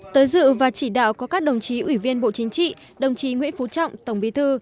tới dự và chỉ đạo có các đồng chí ủy viên bộ chính trị đồng chí nguyễn phú trọng tổng bí thư